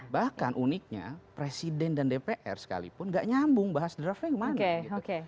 bahkan uniknya presiden dan dpr sekalipun gak nyambung bahas draftnya kemana gitu